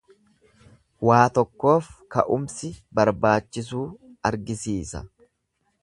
Waa tokkoof ka'umsi barbaachisuu argisiisa.